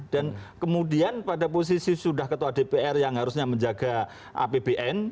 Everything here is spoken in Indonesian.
dan kemudian pada posisi sudah ketua dpr yang harusnya menjaga apbn